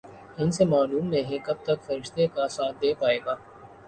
ہندسے معلوم نہیں کب تک فرشتے کا ساتھ دے پائیں گے۔